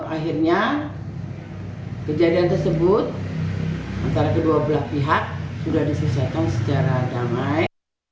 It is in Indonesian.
akhirnya kejadian tersebut antara kedua belah pihak sudah diselesaikan secara damai